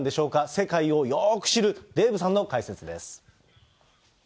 世界をよく知るデーブさんの解説です。